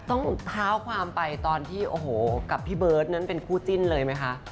ต้องท้าวความไปตอนที่กับพี่เบิร์ทเป็นคู่จริงเลยไหม